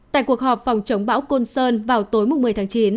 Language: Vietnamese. tại cuộc họp phòng chống bão côn sơn vào tối một mươi tháng chín